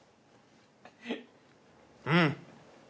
うん！